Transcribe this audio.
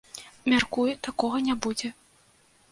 Мяркую, такога не будзе.